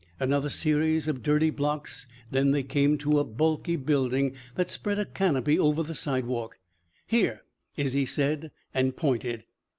Another series of dirty blocks. Then they came to a bulky building that spread a canopy over the sidewalk. "Here," Izzie said, and pointed.